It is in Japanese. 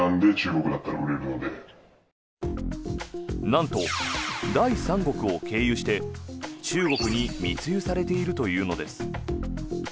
なんと第三国を経由して中国に密輸されているというのです。